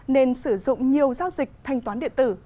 nên sử dụng nhiều giao dịch thanh toán điện tử